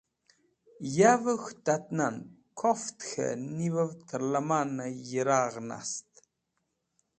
Yavẽ k̃hũ tat nan koft k̃hẽ nivẽv k̃hat tẽr lẽm̃nẽ yiragh nast